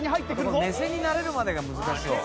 これ目線に慣れるまでが難しいわ。